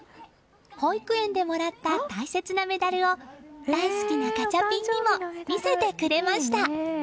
保育園でもらった大切なメダルを大好きなガチャピンにも見せてくれました。